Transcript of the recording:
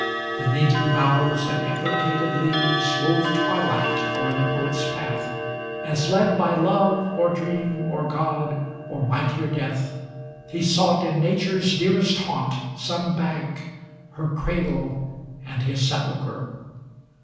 The meeting boughs and implicated leaves Wove twilight o'er the Poet's path, as, led By love, or dream, or god, or mightier Death, He sought in Nature's dearest haunt some bank. 429 Her cradle and his sepulchre.